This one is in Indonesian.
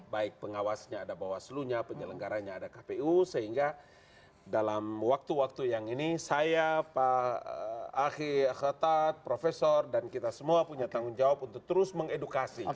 baik pengawasnya ada bawaslu nya penyelenggaranya ada kpu sehingga dalam waktu waktu yang ini saya pak ahy khatad profesor dan kita semua punya tanggung jawab untuk terus mengedukasi